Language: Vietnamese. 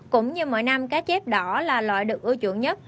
cũng như mỗi năm cá chép đỏ là loại được ưa chuộng nhất